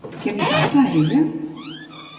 Què li passava a ella?